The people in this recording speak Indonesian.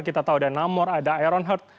kita tahu ada namor ada ironheart